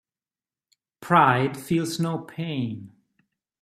Pride feels no pain.